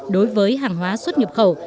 đối với hàng hóa xuất nhập khẩu